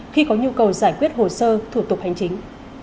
khi có nhu cầu giải quyết hồ sơ thủ tục hành chính